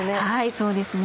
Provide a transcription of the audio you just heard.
そうですね